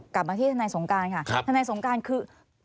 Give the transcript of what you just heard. กลับมาที่ทนายสงการค่ะทนายสงการคือ